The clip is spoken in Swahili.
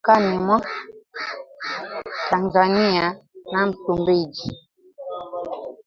kati ya hizo kilometa mia sita hamsini zipo mpakani mwa Tanzania na Msumbiji